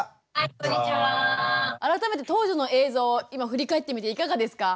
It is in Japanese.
改めて当時の映像を今振り返ってみていかがですか？